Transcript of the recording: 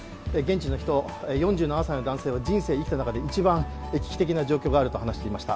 街にいる、４７歳の男性は人生の中で一番危機的な状況にあると話しました。